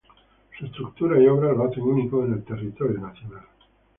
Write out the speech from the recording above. Su estructura y obras lo hacen único en el territorio nacional.